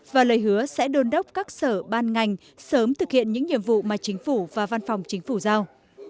và lời hứa sẽ đôn đốc các sở ban ngành sớm thực hiện những nhiệm vụ mà chính phủ và văn phòng chính phủ giao